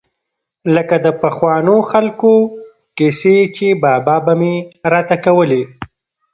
لکه د پخوانو خلقو کيسې چې بابا مې راته کولې.